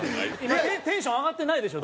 テンション上がってないでしょ？